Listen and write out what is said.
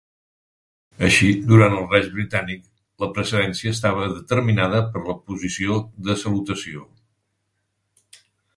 Així, durant el "Raj britànic", la precedència estava determinada per la posició de salutació.